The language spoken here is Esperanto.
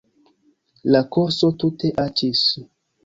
La kurso tute aĉis.